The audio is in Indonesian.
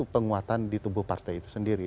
penguatan di tubuh partai itu sendiri